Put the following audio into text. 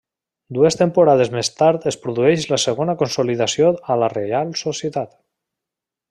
Dues temporades més tard es produeix la seva consolidació a la Reial Societat.